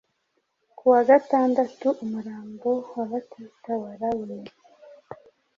Ku wa gatandatu, umurambo wa Baptite warabonete